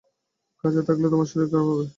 কাছে থাকলে তোমার শরীর খারাপ হবে।